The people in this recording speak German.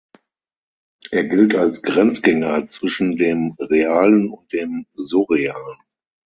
Er gilt als Grenzgänger zwischen dem Realen und dem Surrealen.